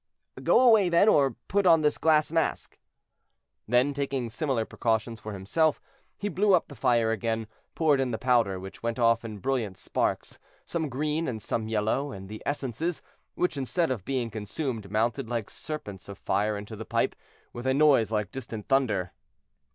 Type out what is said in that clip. "Go away, then, or put on this glass mask." Then, taking similar precautions for himself, he blew up the fire again, poured in the powder, which went off in brilliant sparks, some green and some yellow; and the essences, which, instead of being consumed, mounted like serpents of fire into the pipe, with a noise like distant thunder.